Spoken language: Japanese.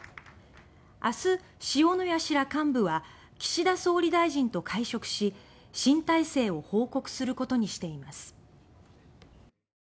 明日、塩谷氏ら幹部は岸田総理大臣と会食し新体制を報告することにしています。